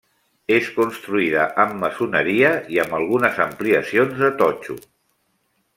És construïda amb maçoneria i amb algunes ampliacions de totxo.